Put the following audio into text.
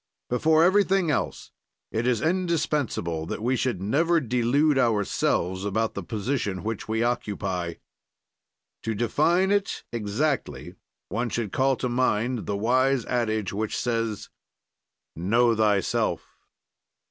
"Before everything else, it is indispensable that we should never delude ourselves about the position which we occupy. "To define it exactly, one should call to mind the wise adage which says: Know thyself.